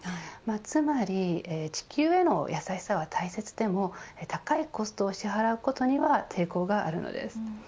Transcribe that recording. つまり地球への優しさは大切でも高いコストを支払うことには抵抗があるのです。